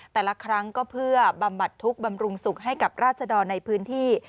แต่ละครั้งก็เพื่อบำบัดทุกข์บำรุงสุขให้กับราชดรในพื้นที่